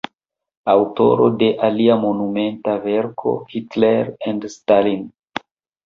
Aŭtoro de alia monumenta verko "Hitler and Stalin.